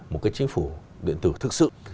một chính phủ điện tử thực sự